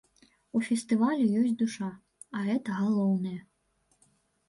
У фестывалю ёсць душа, а гэта галоўнае.